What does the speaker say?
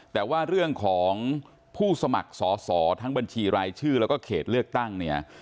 แต่ว่าเรื่องของผู้สมัครสอสอทั้งบัญชีรายชื่อแล้วก็เขตเลือกตั้งเนี่ย